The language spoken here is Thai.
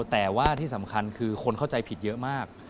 แต่ว่าที่สำคัญคือคนเข้าใจผิดเยอะมาก